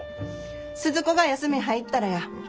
スズ子が休み入ったらや。